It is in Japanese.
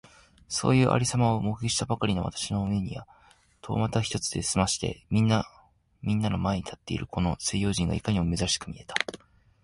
そういう有様を目撃したばかりの私の眼めには、猿股一つで済まして皆みんなの前に立っているこの西洋人がいかにも珍しく見えた。